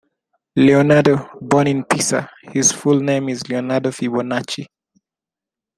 Leonardo: Born in Pisa, his full name is Leonardo Fibonacci.